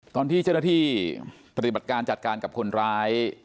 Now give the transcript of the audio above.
ตอนที่เจ้าหน้าที่ปฏิบัติการจัดการกับคนร้าย